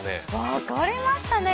分かれましたね。